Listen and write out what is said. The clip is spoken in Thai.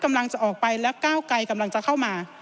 กำลังจะออกไปแล้วก้าวไกลกำลังจะเข้ามา